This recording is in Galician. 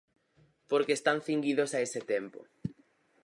Porque están cinguidos a ese tempo.